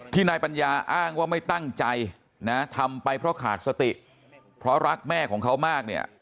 นายปัญญาอ้างว่าไม่ตั้งใจนะทำไปเพราะขาดสติเพราะรักแม่ของเขามากเนี่ย